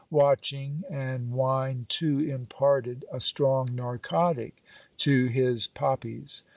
Watching and wine, too, imparted a strong narcotic to his pop pies.